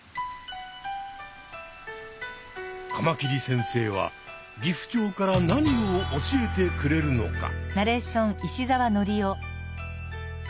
カマキリ先生はギフチョウから何を教えてくれるのか。